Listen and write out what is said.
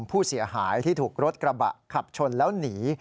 ผู้เสียหายที่ถูกรถกระบะขับชนแล้วหนี